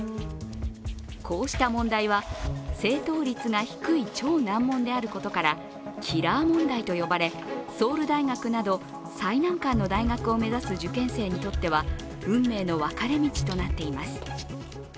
こうした問題は、正答率が低い超難問であることからキラー問題と呼ばれソウル大学など、最難関の大学を目指す受験生にとっては運命の分かれ道となっています。